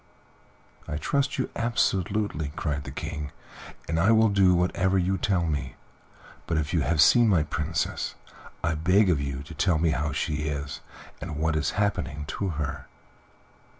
"I trust you absolutely," cried the King, "and I will do whatever you tell me; but if you have seen my Princess I beg of you to tell me how she is and what is happening to her.